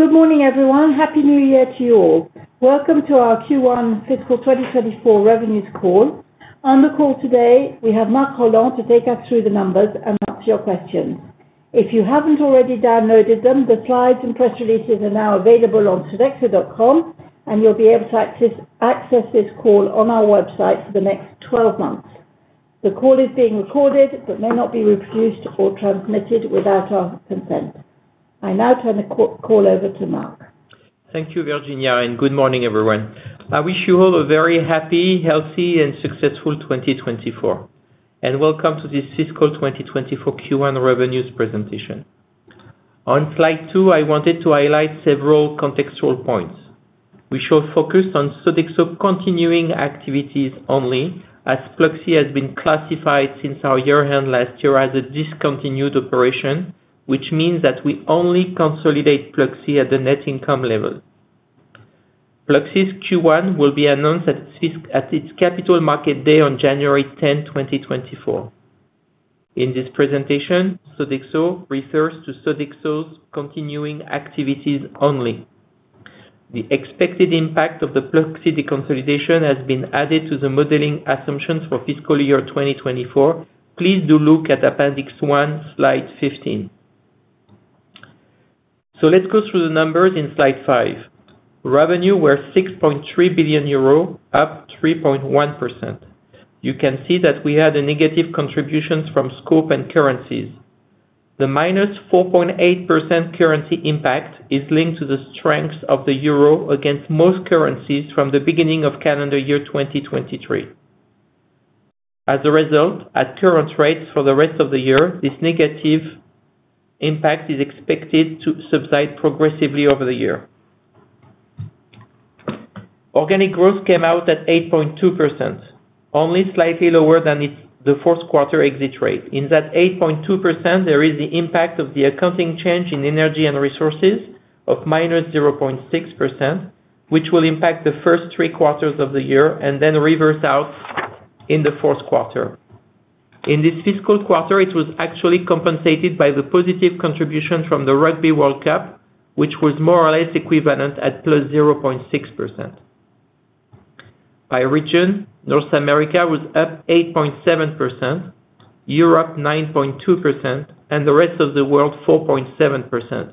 Good morning, everyone. Happy New Year to you all. Welcome to our Q1 fiscal 2024 revenues call. On the call today, we have Marc Rolland to take us through the numbers and answer your questions. If you haven't already downloaded them, the slides and press releases are now available on sodexo.com, and you'll be able to access this call on our website for the next 12 months. The call is being recorded, but may not be reproduced or transmitted without our consent. I now turn the call over to Marc. Thank you, Virginia, and good morning, everyone. I wish you all a very happy, healthy, and successful 2024, and welcome to this fiscal 2024 Q1 revenues presentation. On slide two, I wanted to highlight several contextual points. We shall focus on Sodexo continuing activities only, as Pluxee has been classified since our year-end last year as a discontinued operation, which means that we only consolidate Pluxee at the net income level. Pluxee's Q1 will be announced at its Capital Market Day on January 10, 2024. In this presentation, Sodexo refers to Sodexo's continuing activities only. The expected impact of the Pluxee consolidation has been added to the modeling assumptions for fiscal year 2024. Please do look at Appendix 1, slide 15. So let's go through the numbers in slide five. Revenue were 6.3 billion euro, up 3.1%. You can see that we had negative contributions from scope and currencies. The -4.8% currency impact is linked to the strength of the euro against most currencies from the beginning of calendar year 2023. As a result, at current rates for the rest of the year, this negative impact is expected to subside progressively over the year. Organic growth came out at 8.2%, only slightly lower than the fourth quarter exit rate. In that 8.2%, there is the impact of the accounting change in energy and resources of -0.6%, which will impact the first three quarters of the year and then reverse out in the fourth quarter. In this fiscal quarter, it was actually compensated by the positive contribution from the Rugby World Cup, which was more or less equivalent at +0.6%. By region, North America was up 8.7%, Europe, 9.2%, and the rest of the world, 4.7%.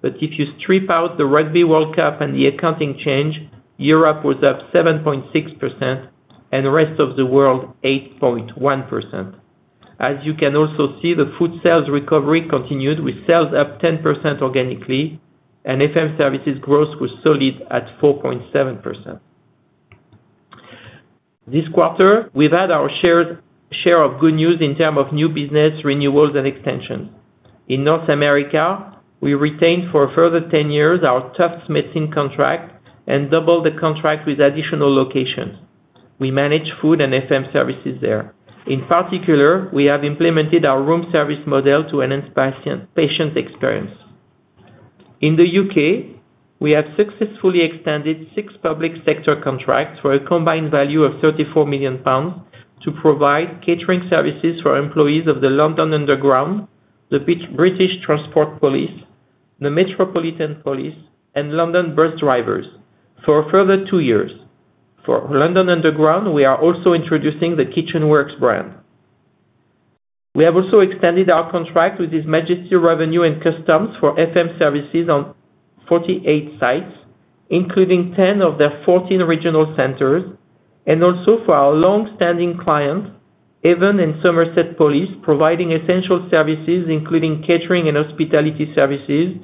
But if you strip out the Rugby World Cup and the accounting change, Europe was up 7.6% and the rest of the world, 8.1%. As you can also see, the food sales recovery continued, with sales up 10% organically, and FM services growth was solid at 4.7%. This quarter, we've had our share of good news in terms of new business renewals and extensions. In North America, we retained for a further 10 years our Tufts Medicine contract and doubled the contract with additional locations. We manage food and FM services there. In particular, we have implemented our room service model to enhance patient experience. In the U.K., we have successfully extended six public sector contracts for a combined value of 34 million pounds to provide catering services for employees of the London Underground, the British Transport Police, the Metropolitan Police, and London bus drivers for a further two years. For London Underground, we are also introducing the Kitchen Works brand. We have also extended our contract with HM Revenue and Customs for FM services on 48 sites, including 10 of their 14 regional centers, and also for our long-standing client, Avon and Somerset Police, providing essential services, including catering and hospitality services,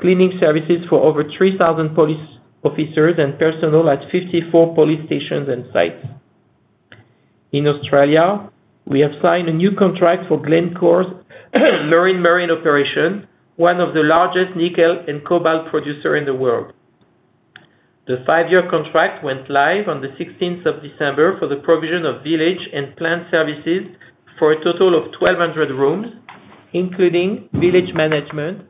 cleaning services for over 3,000 police officers and personnel at 54 police stations and sites. In Australia, we have signed a new contract for Glencore's Murrin Murrin operation, one of the largest nickel and cobalt producer in the world. The five-year contract went live on the 16th of December for the provision of village and plant services for a total of 1,200 rooms, including village management,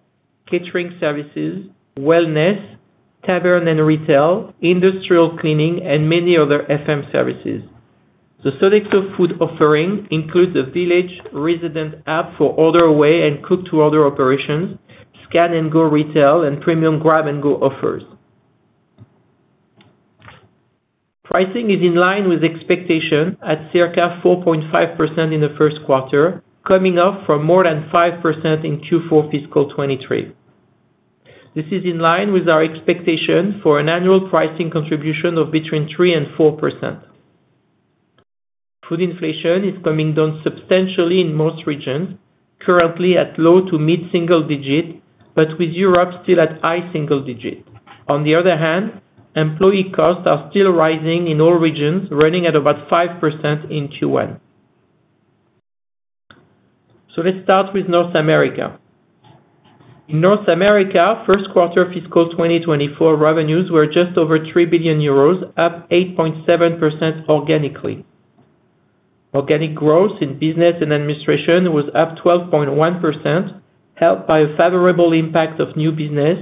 catering services, wellness, tavern and retail, industrial cleaning, and many other FM services. The Sodexo food offering includes a village resident app for order ahead and cook to order operations, scan and go retail, and premium grab and go offers. Pricing is in line with expectation at circa 4.5% in the first quarter, coming up from more than 5% in Q4 fiscal 2023. This is in line with our expectation for an annual pricing contribution of between 3% and 4%. Food inflation is coming down substantially in most regions, currently at low- to mid-single-digit, but with Europe still at high single-digit. On the other hand, employee costs are still rising in all regions, running at about 5% in Q1. So let's start with North America. In North America, first quarter fiscal 2024 revenues were just over 3 billion euros, up 8.7% organically. Organic growth in Business and Administration was up 12.1%, helped by a favorable impact of new business.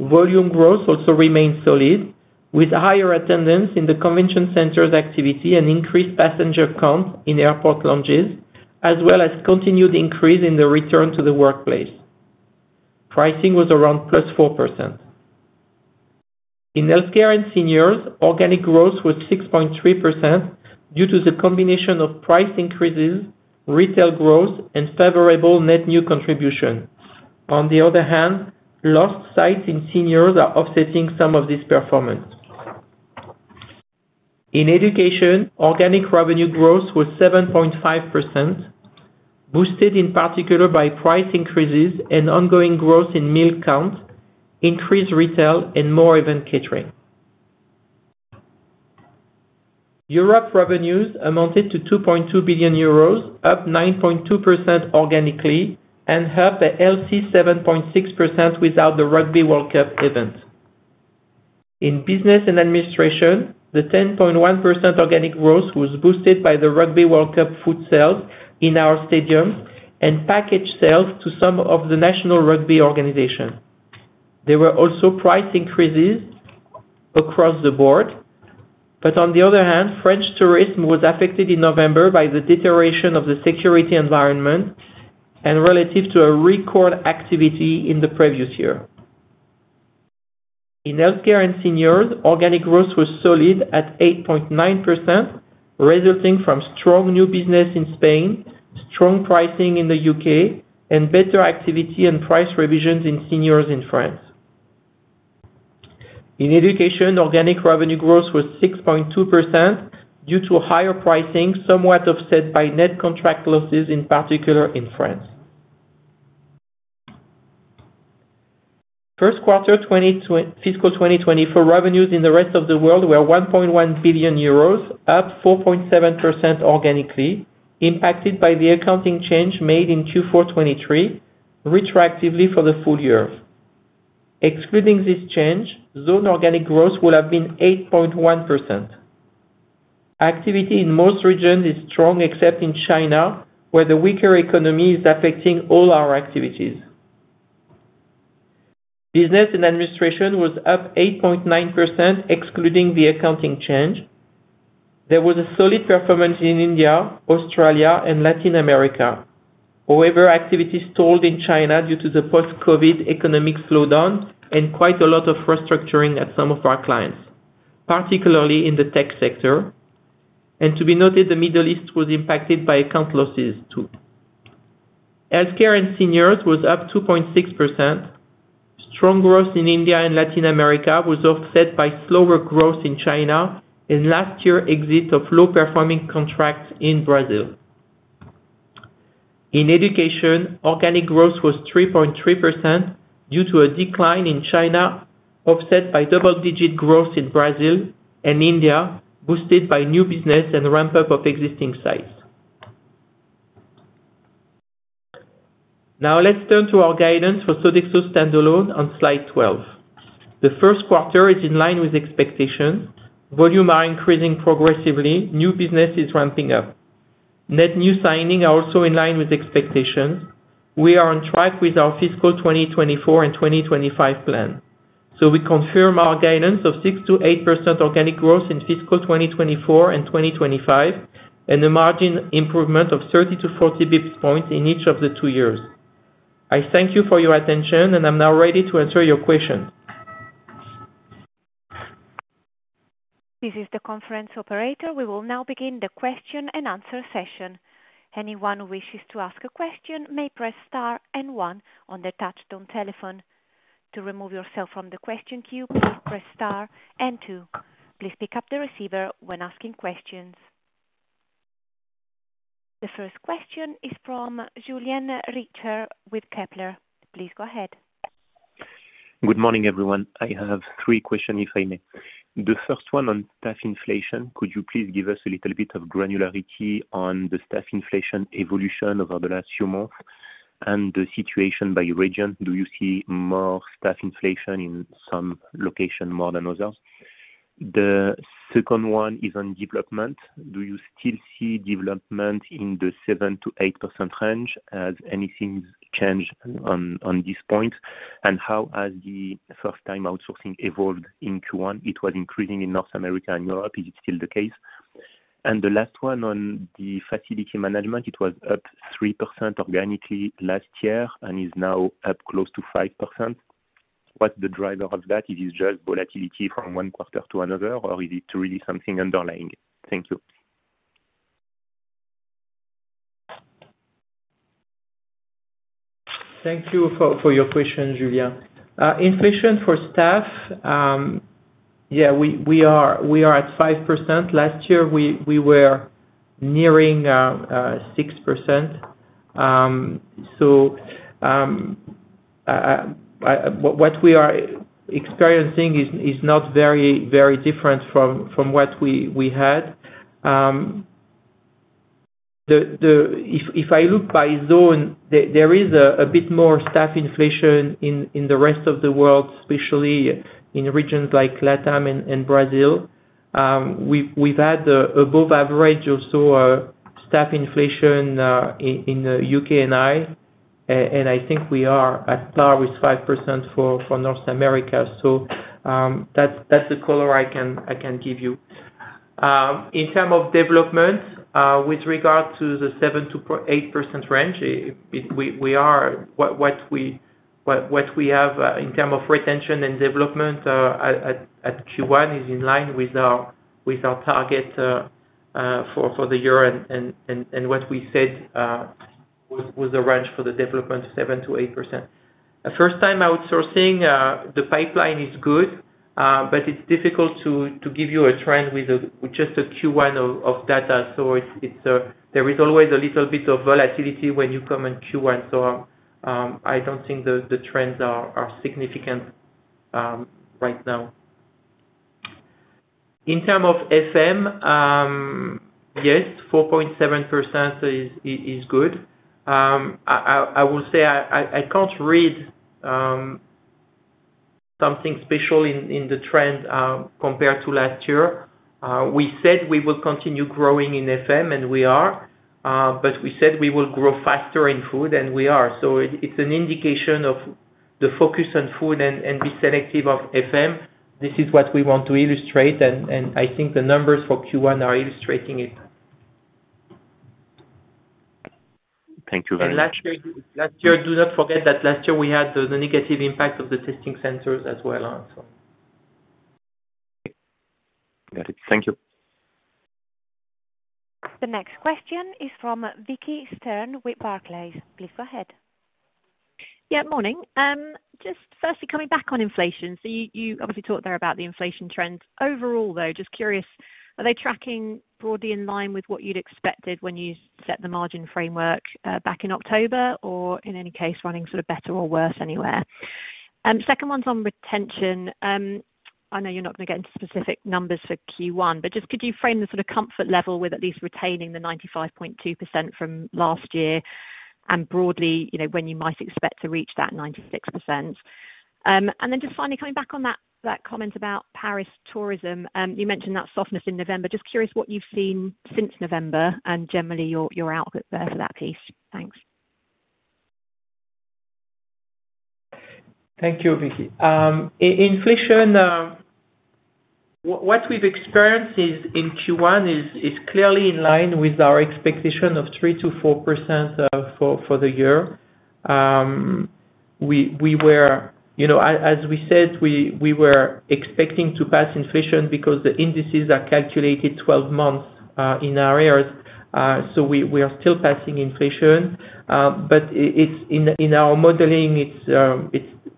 Volume growth also remained solid, with higher attendance in the convention centers activity and increased passenger count in airport lounges as well as continued increase in the return to the workplace. Pricing was around +4%. In healthcare and seniors, organic growth was 6.3% due to the combination of price increases, retail growth, and favorable net new contribution. On the other hand, lost sites in seniors are offsetting some of this performance. In education, organic revenue growth was 7.5%, boosted in particular by price increases and ongoing growth in meal count, increased retail and more event catering. Europe revenues amounted to 2.2 billion euros, up 9.2% organically and up a healthy 7.6% without the Rugby World Cup event. In Business and Administration, the 10.1% organic growth was boosted by the Rugby World Cup food sales in our stadiums and package sales to some of the national rugby organization. There were also price increases across the board, but on the other hand, French tourism was affected in November by the deterioration of the security environment and relative to a record activity in the previous year. In healthcare and seniors, organic growth was solid at 8.9%, resulting from strong new business in Spain, strong pricing in the U.K., and better activity and price revisions in seniors in France. In education, organic revenue growth was 6.2% due to higher pricing, somewhat offset by net contract losses, in particular in France. First quarter fiscal 2024 revenues in the rest of the world were 1.1 billion euros, up 4.7% organically, impacted by the accounting change made in Q4 2023, retroactively for the full year. Excluding this change, zone organic growth would have been 8.1%. Activity in most regions is strong, except in China, where the weaker economy is affecting all our activities. Business and Administration was up 8.9%, excluding the accounting change. There was a solid performance in India, Australia and Latin America. However, activities stalled in China due to the post-Covid economic slowdown and quite a lot of restructuring at some of our clients, particularly in the tech sector. To be noted, the Middle East was impacted by account losses, too. Healthcare and seniors was up 2.6%. Strong growth in India and Latin America was offset by slower growth in China and last year, exit of low-performing contracts in Brazil. In education, organic growth was 3.3% due to a decline in China, offset by double-digit growth in Brazil and India, boosted by new business and ramp-up of existing sites. Now, let's turn to our guidance for Sodexo standalone on slide 12. The first quarter is in line with expectations. Volume are increasing progressively, new business is ramping up. Net new signing are also in line with expectations. We are on track with our fiscal 2024 and 2025 plan, so we confirm our guidance of 6%-8% organic growth in fiscal 2024 and 2025, and a margin improvement of 30-40 basis points in each of the two years. I thank you for your attention, and I'm now ready to answer your questions. This is the conference operator. We will now begin the question and answer session. Anyone who wishes to ask a question may press star and one on their touchtone telephone. To remove yourself from the question queue, please press star and two. Please pick up the receiver when asking questions. The first question is from Julien Richer with Kepler. Please go ahead. Good morning, everyone. I have three questions, if I may. The first one on staff inflation, could you please give us a little bit of granularity on the staff inflation evolution over the last few months and the situation by region? Do you see more staff inflation in some locations more than others? The second one is on development. Do you still see development in the 7%-8% range? Has anything changed on, on this point? And how has the first time outsourcing evolved in Q1? It was increasing in North America and Europe. Is it still the case? And the last one on the facility management, it was up 3% organically last year and is now up close to 5%. What's the driver of that? It is just volatility from one quarter to another, or is it really something underlying? Thank you. Thank you for your question, Julien. Inflation for staff, we are at 5%. Last year, we were nearing 6%. So, what we are experiencing is not very different from what we had. If I look by zone, there is a bit more staff inflation in the rest of the world, especially in regions like Latam and Brazil. We've had above average also staff inflation in the U.K. and I think we are at par with 5% for North America. So, that's the color I can give you. In terms of development, with regard to the 7%-8% range, what we have in terms of retention and development at Q1 is in line with our target for the year and what we said was the range for the development, 7%-8%. The first-time outsourcing, the pipeline is good, but it's difficult to give you a trend with just a Q1 of data. So, there is always a little bit of volatility when you come in Q1, so, I don't think the trends are significant right now. In terms of FM, yes, 4.7% is good. I will say, I can't read something special in the trend compared to last year. We said we will continue growing in FM, and we are, but we said we will grow faster in food, and we are. So it's an indication of the focus on food and be selective of FM. This is what we want to illustrate, and I think the numbers for Q1 are illustrating it. Thank you very much. Last year, last year, do not forget that last year we had the negative impact of the testing centers as well also. Got it. Thank you. The next question is from Vicki Stern with Barclays. Please go ahead. Yeah, morning. Just firstly, coming back on inflation. So you obviously talked there about the inflation trends. Overall, though, just curious, are they tracking broadly in line with what you'd expected when you set the margin framework back in October, or in any case, running sort of better or worse anywhere? Second one's on retention. I know you're not gonna get into specific numbers for Q1, but just could you frame the sort of comfort level with at least retaining the 95.2% from last year, and broadly, you know, when you might expect to reach that 96%? And then just finally coming back on that comment about Paris tourism. You mentioned that softness in November, just curious what you've seen since November and generally your outlook there for that piece. Thanks. Thank you, Vicki. Inflation, what we've experienced is, in Q1, is clearly in line with our expectation of 3%-4%, for the year. We were... You know, as we said, we were expecting to pass inflation because the indices are calculated 12 months in arrears. So we are still passing inflation, but it's, in our modeling,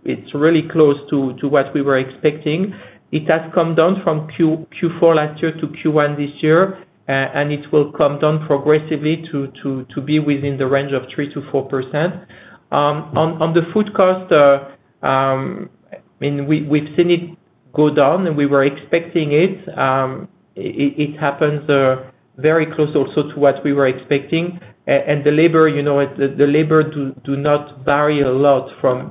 it's really close to what we were expecting. It has come down from Q4 last year to Q1 this year. And it will come down progressively to be within the range of 3%-4%. On the food cost, I mean, we've seen it go down, and we were expecting it. It happens very close also to what we were expecting. And the labor, you know, does not vary a lot from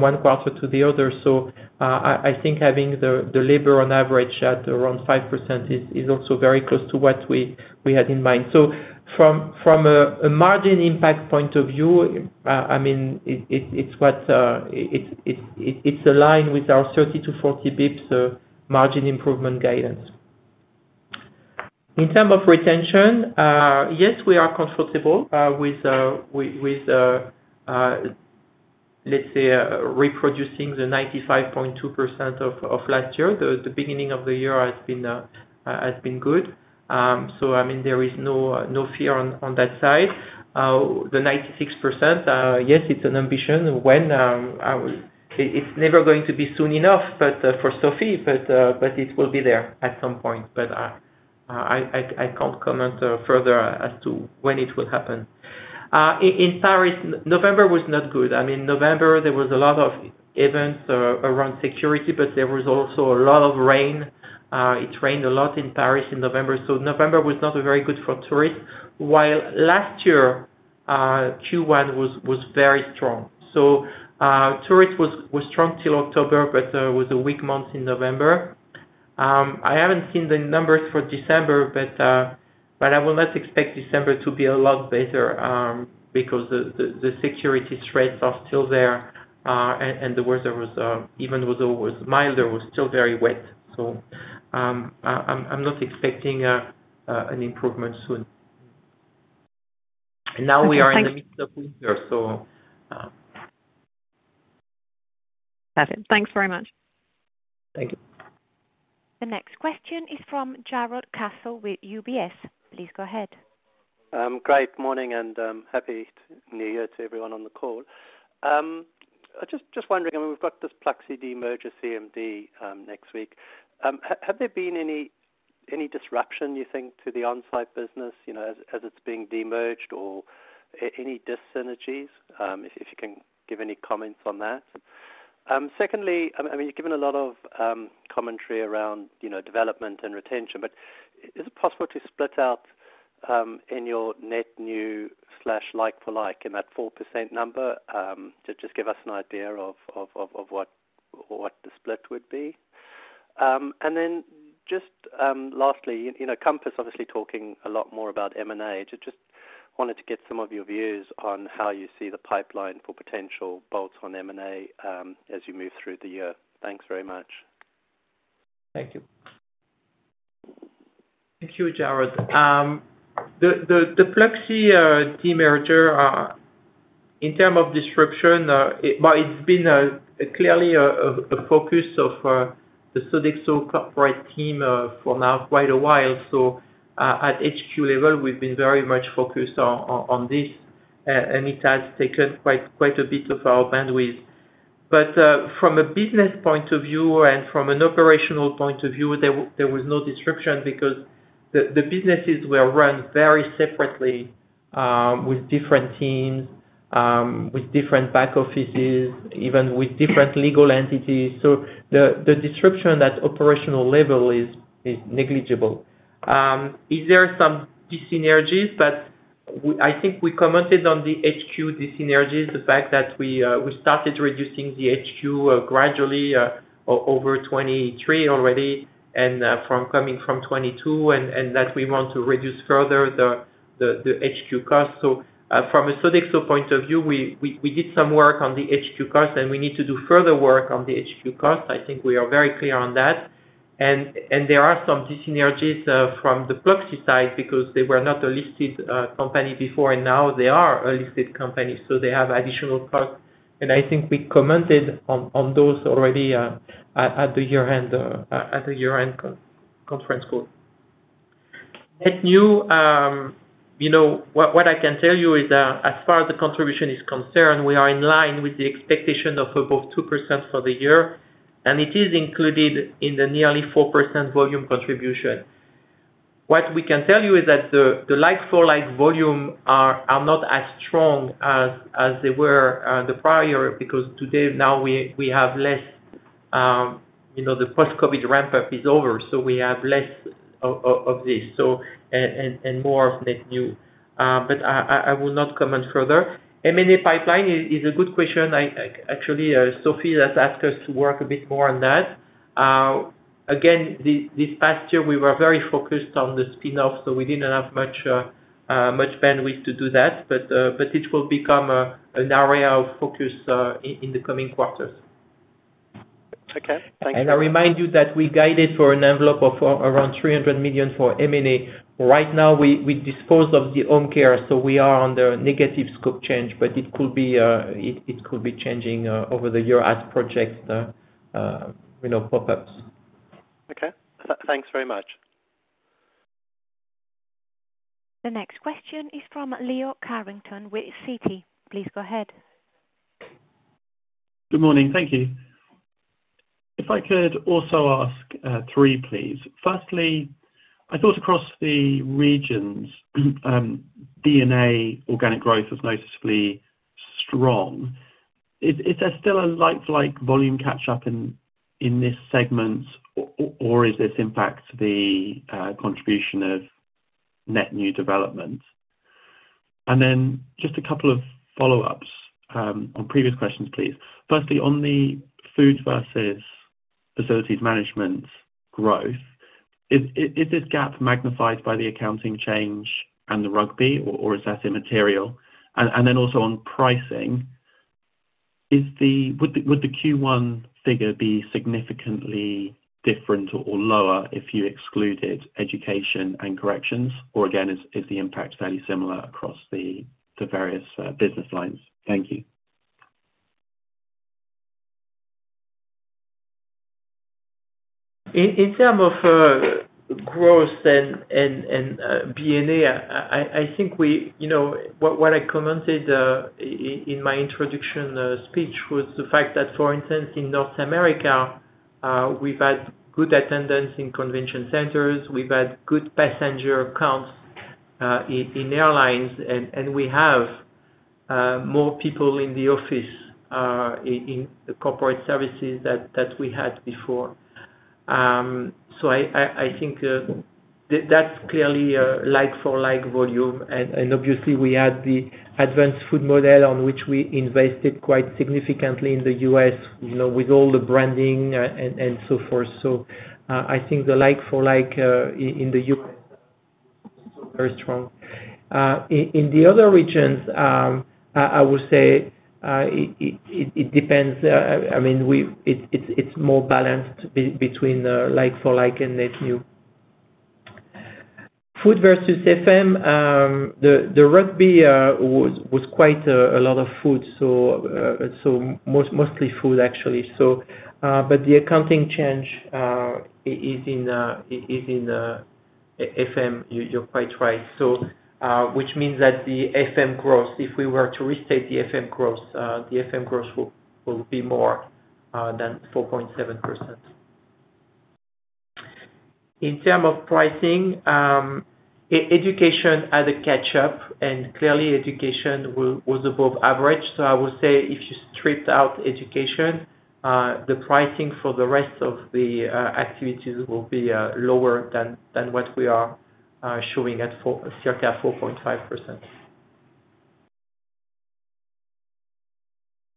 one quarter to the other. So, I think having the labor on average at around 5% is also very close to what we had in mind. So from a margin impact point of view, I mean, it's aligned with our 30-40 bps margin improvement guidance. In terms of retention, yes, we are comfortable with, let's say, reproducing the 95.2% of last year. The beginning of the year has been good. So I mean, there is no, no fear on, on that side. The 96%, yes, it's an ambition, when, I will... It's never going to be soon enough, but, for Sophie, but, but it will be there at some point. But, I, I, I can't comment, further as to when it will happen. In Paris, November was not good. I mean, November, there was a lot of events, around security, but there was also a lot of rain. It rained a lot in Paris in November, so November was not very good for tourists. While last year, Q1 was, was very strong. So, tourists was, was strong till October, but, was a weak month in November. I haven't seen the numbers for December, but, but I would not expect December to be a lot better, because the security threats are still there, and the weather was, even though it was milder, was still very wet. So, I'm not expecting an improvement soon. Okay, thank- Now we are in the middle of winter, so... Got it. Thanks very much. Thank you. The next question is from Jarrod Castle with UBS. Please go ahead. Good morning, and happy New Year to everyone on the call. I just wondering, I mean, we've got this Pluxee demerger CMD next week. Have there been any disruption, you think, to the on-site business, you know, as it's being demerged or any dis-synergies? If you can give any comments on that. Secondly, I mean, you've given a lot of commentary around, you know, development and retention, but is it possible to split out in your net new/like for like in that 4% number to just give us an idea of what the split would be? And then just lastly, in, you know, Compass obviously talking a lot more about M&A. Just, just wanted to get some of your views on how you see the pipeline for potential bolt-on M&A, as you move through the year. Thanks very much. Thank you. Thank you, Jarrod. The Pluxee de-merger in terms of disruption, it has been clearly a focus of the Sodexo corporate team for now quite a while, so at HQ level, we've been very much focused on this, and it has taken quite a bit of our bandwidth. But from a business point of view and from an operational point of view, there was no disruption, because the businesses were run very separately with different teams with different back offices, even with different legal entities. So the disruption at operational level is negligible. Is there some dyssynergies? But I think we commented on the HQ dyssynergies, the fact that we started reducing the HQ gradually over 2023 already, and from coming from 2022, and that we want to reduce further the HQ costs. So from a Sodexo point of view, we did some work on the HQ costs, and we need to do further work on the HQ costs. I think we are very clear on that. And there are some dyssynergies from the Pluxee side because they were not a listed company before, and now they are a listed company, so they have additional costs. And I think we commented on those already at the year-end conference call. And new, you know, what I can tell you is that as far as the contribution is concerned, we are in line with the expectation of above 2% for the year, and it is included in the nearly 4% volume contribution. What we can tell you is that the like-for-like volume is not as strong as they were the prior, because today, now we have less, you know, the post-COVID ramp up is over, so we have less of this, so... and more of net new. But I will not comment further. M&A pipeline is a good question. Actually, Sophie has asked us to work a bit more on that. Again, this past year we were very focused on the spin-off, so we didn't have much bandwidth to do that, but it will become an area of focus in the coming quarters. Okay, thank you. I remind you that we guided for an envelope of around 300 million for M&A. Right now, we dispose of the home care, so we are under negative scope change, but it could be changing over the year as projects, you know, pop ups. Okay. Thanks very much. The next question is from Leo Carrington with Citi. Please go ahead. Good morning. Thank you. If I could also ask three, please. Firstly, I thought across the regions, BNA organic growth was noticeably strong. Is there still a like-for-like volume catch-up in this segment, or is this in fact the contribution of net new development? And then just a couple of follow-ups on previous questions, please. Firstly, on the food versus Facilities Management growth, is this gap magnified by the accounting change and the rugby, or is that immaterial? And then also on pricing, would the Q1 figure be significantly different or lower if you excluded education and corrections? Or again, is the impact fairly similar across the various business lines? Thank you. In terms of growth and BNA, I think we, you know, what I commented in my introduction speech was the fact that, for instance, in North America, we've had good attendance in convention centers, we've had good passenger counts in airlines, and we have more people in the office in the corporate services than we had before. So I think that's clearly a like-for-like volume, and obviously we had the advanced food model on which we invested quite significantly in the U.S., you know, with all the branding and so forth. So I think the like-for-like in the U.S. still very strong. In the other regions, I would say it depends. I mean, we've... It's more balanced between the like-for-like and net new. Food versus FM, the rugby was quite a lot of food, so mostly food, actually. But the accounting change is in FM, you're quite right. Which means that the FM growth, if we were to restate the FM growth, the FM growth would, will be more than 4.7%. In terms of pricing, education had a catch up, and clearly education was above average. So I would say if you stripped out education, the pricing for the rest of the activities will be lower than what we are showing at 4%, circa 4.5%....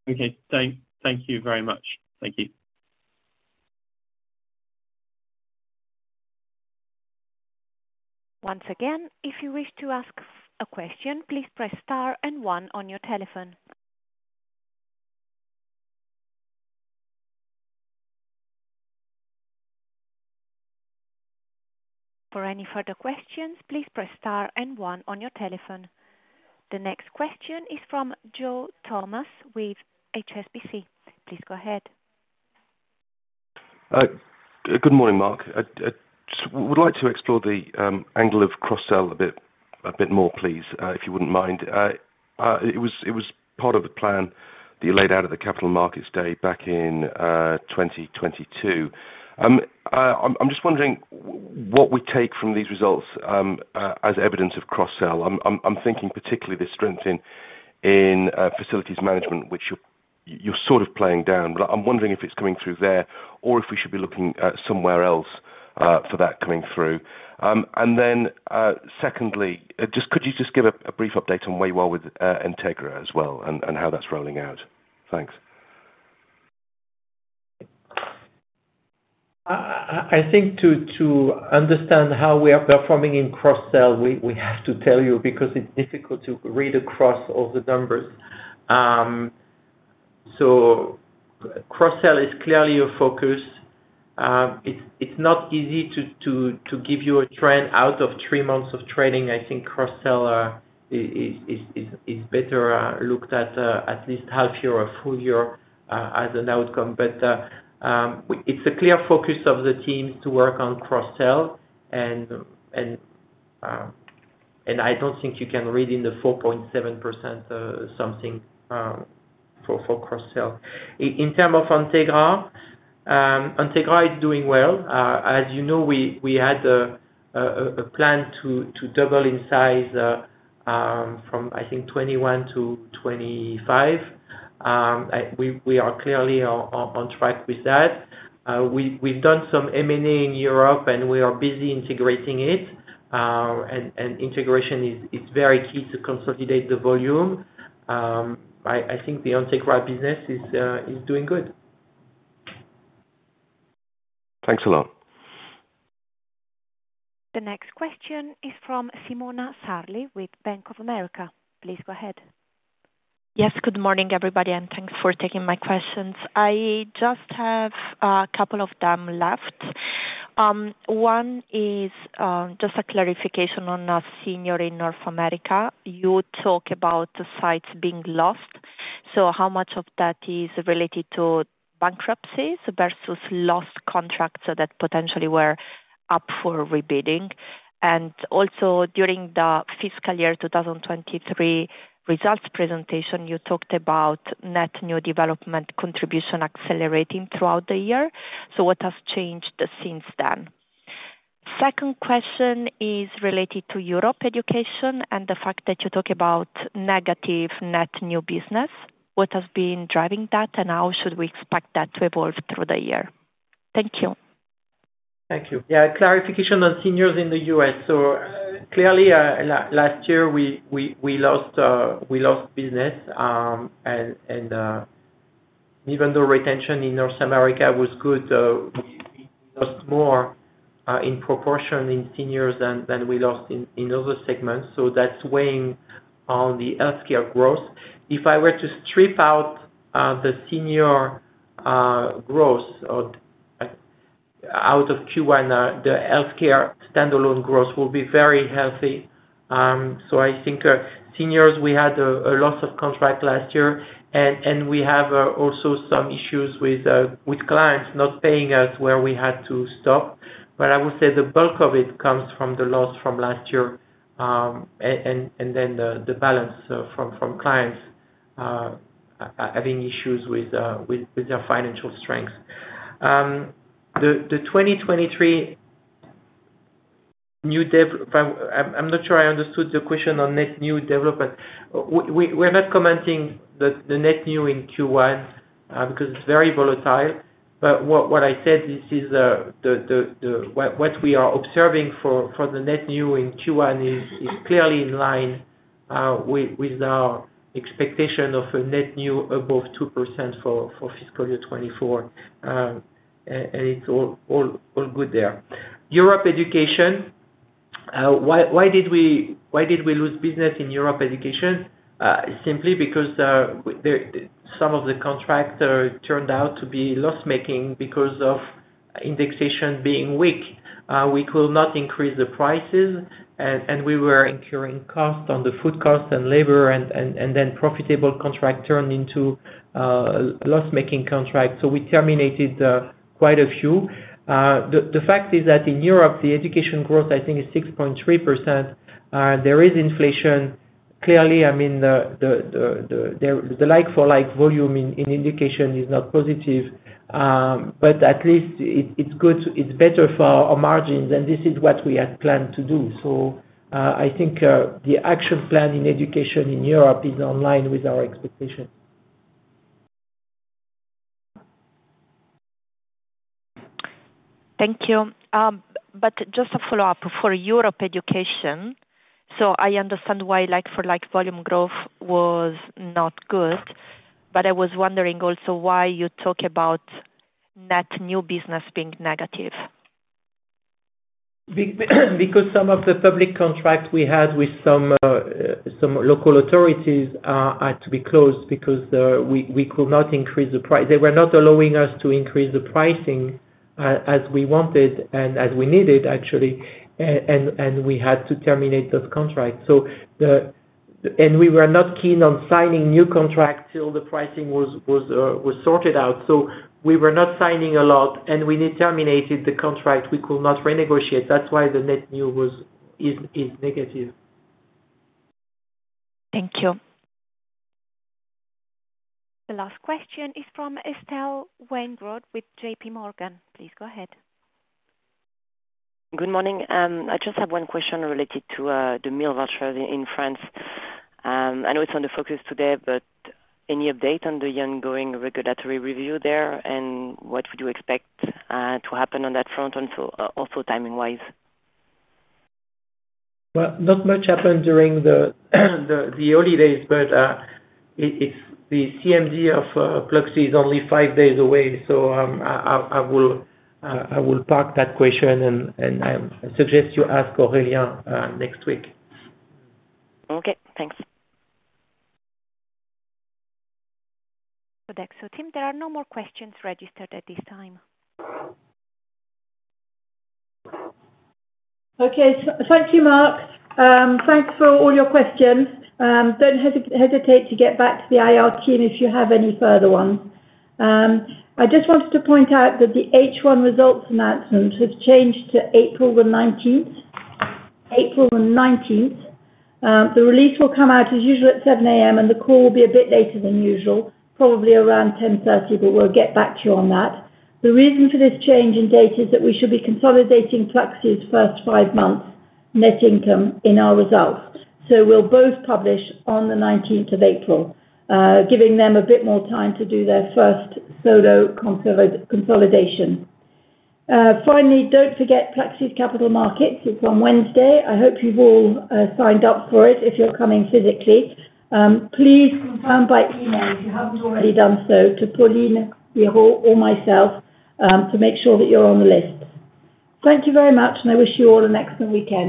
Okay, thank you very much. Thank you. Once again, if you wish to ask a question, please press star and one on your telephone. For any further questions, please press star and one on your telephone. The next question is from Joe Thomas with HSBC. Please go ahead. Good morning, Marc. I just would like to explore the angle of cross-sell a bit more, please, if you wouldn't mind. It was part of the plan that you laid out at the Capital Markets Day back in 2022. I'm just wondering what we take from these results as evidence of cross-sell. I'm thinking particularly the strength in facilities management, which you're sort of playing down. But I'm wondering if it's coming through there, or if we should be looking somewhere else for that coming through? And then, secondly, just could you just give a brief update on where you are with Entegra as well, and how that's rolling out? Thanks. I think to understand how we are performing in cross-sell, we have to tell you, because it's difficult to read across all the numbers. So cross-sell is clearly a focus. It's not easy to give you a trend out of three months of trading. I think cross-sell is better looked at at least half year or full year as an outcome. But it's a clear focus of the teams to work on cross-sell, and I don't think you can read in the 4.7% something for cross-sell. In terms of Entegra, Entegra is doing well. As you know, we had a plan to double in size from, I think 2021 to 2025. We are clearly on track with that. We’ve done some M&A in Europe, and we are busy integrating it. Integration is very key to consolidate the volume. I think the Entegra business is doing good. Thanks a lot. The next question is from Simona Sarli with Bank of America. Please go ahead. Yes, good morning, everybody, and thanks for taking my questions. I just have a couple of them left. One is just a clarification on seniors in North America. You talk about the sites being lost, so how much of that is related to bankruptcies versus lost contracts that potentially were up for rebidding? And also, during the fiscal year 2023 results presentation, you talked about net new development contribution accelerating throughout the year. So what has changed since then? Second question is related to Europe education, and the fact that you talk about negative net new business. What has been driving that, and how should we expect that to evolve through the year? Thank you. Thank you. Yeah, clarification on seniors in the U.S. So, clearly, last year, we lost business. And, even though retention in North America was good, we lost more in proportion in seniors than we lost in other segments, so that's weighing on the healthcare growth. If I were to strip out the senior growth out of Q1, the healthcare standalone growth will be very healthy. So I think, seniors, we had a loss of contract last year, and we have also some issues with clients not paying us, where we had to stop. But I would say the bulk of it comes from the loss from last year. And then the balance from clients having issues with their financial strength. I'm not sure I understood the question on net new development. We're not commenting the net new in Q1 because it's very volatile. But what I said, this is what we are observing for the net new in Q1 is clearly in line with our expectation of a net new above 2% for fiscal year 2024. And it's all good there. Europe education, why did we lose business in Europe education? Simply because some of the contracts turned out to be loss-making because of indexation being weak. We could not increase the prices, and we were incurring costs on the food costs and labor, and then profitable contract turned into loss-making contracts, so we terminated quite a few. The fact is that in Europe, the education growth, I think, is 6.3%. There is inflation. Clearly, I mean, the like-for-like volume in education is not positive. But at least it is good; it is better for our margins, and this is what we had planned to do. So, I think the action plan in education in Europe is in line with our expectations. ... Thank you. Just a follow-up. For Europe education, so I understand why like-for-like volume growth was not good, but I was wondering also why you talk about net new business being negative? Because some of the public contracts we had with some local authorities had to be closed because we could not increase the price. They were not allowing us to increase the pricing as we wanted and as we needed, actually, and we had to terminate those contracts. So, and we were not keen on signing new contracts till the pricing was sorted out. So we were not signing a lot, and we terminated the contract we could not renegotiate. That's why the net new is negative. Thank you. The last question is from Estelle Weingrod with JP Morgan. Please go ahead. Good morning. I just have one question related to the meal vouchers in France. I know it's on the focus today, but any update on the ongoing regulatory review there? And what would you expect to happen on that front, and so also timing-wise? Well, not much happened during the holidays, but it's the CMD of Pluxee is only five days away, so I will park that question, and I suggest you ask Aurélien next week. Okay, thanks. Team, there are no more questions registered at this time. Okay. Thank you, Marc. Thanks for all your questions. Don't hesitate to get back to the IR team if you have any further ones. I just wanted to point out that the H1 results announcement has changed to April the 19th. April the 19th. The release will come out as usual, at 7 A.M., and the call will be a bit later than usual, probably around 10:30 A.M., but we'll get back to you on that. The reason for this change in date is that we should be consolidating Pluxee's first five-month net income in our results. So we'll both publish on the 19th of April, giving them a bit more time to do their first solo consolidation. Finally, don't forget Pluxee's capital markets. It's on Wednesday. I hope you've all signed up for it, if you're coming physically. Please confirm by email, if you haven't already done so, to Pauline Vieira or myself, to make sure that you're on the list. Thank you very much, and I wish you all an excellent weekend.